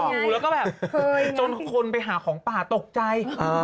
อยู่แล้วก็แบบจนคนไปหาของป่าตกใจ